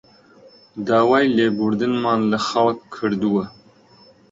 داوای لێبوردنمان لە خەڵک کردووە